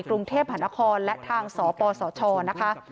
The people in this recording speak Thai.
กรุงเทพหานครและทางสปสชนะคะ